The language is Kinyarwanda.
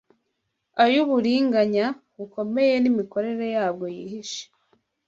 ay’uburinganya bukomeye n’imikorere yabwo yihishe